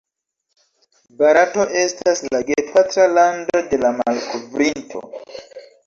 Barato estas la gepatra lando de la malkovrinto.